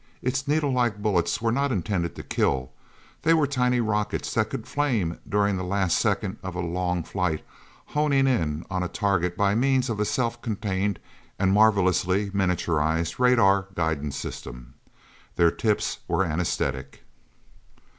Its needle like bullets were not intended to kill. They were tiny rockets that could flame during the last second of a long flight, homing in on a target by means of a self contained and marvelously miniaturized radar guidance system. Their tips were anesthetic.